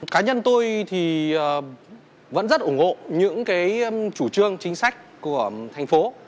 cá nhân tôi thì vẫn rất ủng hộ những cái chủ trương chính sách của thành phố